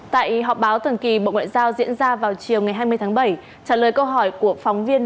tại họp báo thường kỳ bộ ngoại giao diễn ra vào chiều ngày hai mươi tháng bảy trả lời câu hỏi của phóng viên